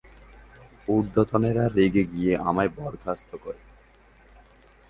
উর্ধ্বতনেরা রেগে গিয়ে, আমায় বরখাস্ত করে।